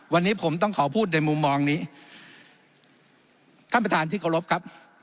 วันนี้ผมต้องขอพูดในมุมมองนี้ท่านประธานที่เคารพครับ